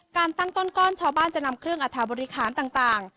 การตั้งต้นก้อนชาวบ้านจะนำเครื่องอัฐบริคารต่าง